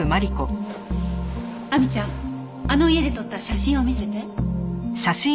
亜美ちゃんあの家で撮った写真を見せて。